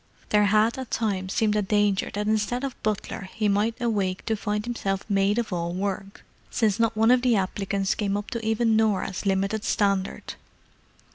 There had at times seemed a danger that instead of butler he might awake to find himself maid of all work, since not one of the applicants came up to even Norah's limited standard.